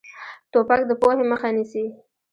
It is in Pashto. توپک د پوهې مخه نیسي.